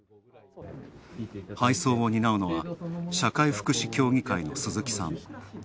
配送を担うのは、社会福祉協会の鈴木さん。